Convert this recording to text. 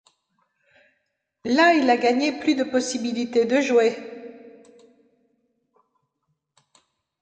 Là, il a gagné plus de possibilités de jouer.